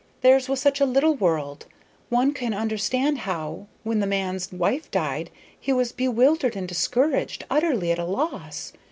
Theirs was such a little world; one can understand how, when the man's wife died, he was bewildered and discouraged, utterly at a loss.